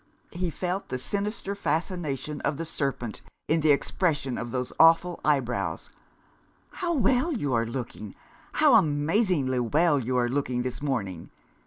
He felt the sinister fascination of the serpent in the expression of those awful eyebrows. "How well you are looking! How amazingly well you are looking this morning!"